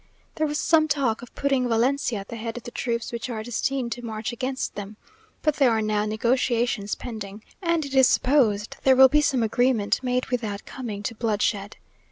There was some talk of putting Valencia at the head of the troops which are destined to march against them, but there are now negotiations pending, and it is supposed there will be some agreement made without coming to bloodshed.